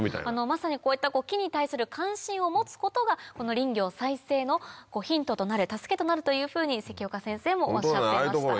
まさにこういった木に対する関心を持つことが林業再生のヒントとなる助けとなるというふうに関岡先生もおっしゃってました。